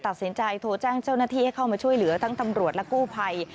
ตัดสินใจโทรแจ้งเจ้าหน้าที่ให้เข้ามาช่วยเหลือทั้งตำรวจและกู้ภัย